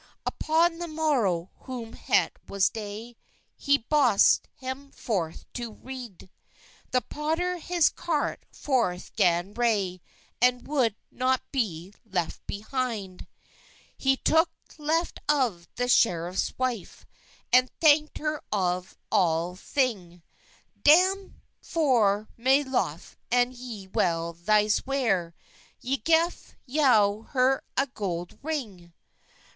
Upon the morow, when het was day, He boskyd hem forthe to reyde; The potter hes carte forthe gan ray, And wolde not [be] leffe beheynde. He toke leffe of the screffys wyffe, And thankyd her of all thyng: "Dam, for mey loffe, and ye well thys wer, Y geffe yow her a golde ryng."